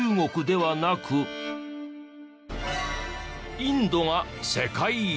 インドが世界一。